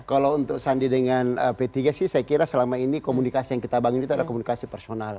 kalau untuk sandi dengan p tiga sih saya kira selama ini komunikasi yang kita bangun itu adalah komunikasi personal